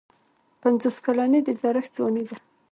پنځوس کلني د زړښت ځواني ده.